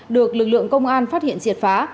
được lực lượng công an phát hiện triệt phá